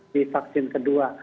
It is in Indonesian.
di vaksin kedua